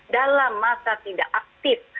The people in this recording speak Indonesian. dalam masa tidak aktif